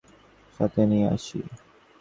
বাজ, নিয়ম রক্ষার্থেই আমরা তাদের সাথে নিয়ে আসি।